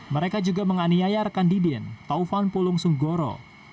mereka juga menganiaya rekan didin taufan pulung sunggoro